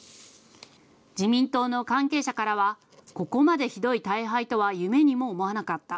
自民党の関係者からは、ここまでひどい大敗とは夢にも思わなかった。